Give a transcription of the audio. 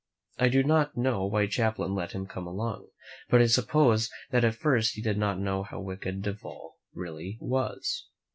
I do not know why Champlain let him come along, but I suppose that at first he did not know how wicked Duval really was.